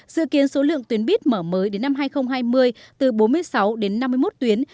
dự kiến số lượng tuyến buýt mở mới đến năm hai nghìn hai mươi từ bốn mươi sáu đến năm mươi một tuyến